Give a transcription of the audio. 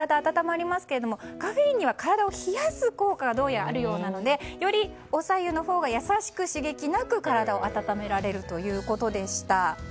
カフェインが入っているものも体は温まりますけどカフェインには体を冷やす効果がどうやらあるようなのでよりお白湯のほうが優しく、刺激なく体を温められるということでした。